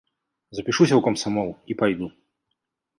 Запішуся ў камсамол і пайду.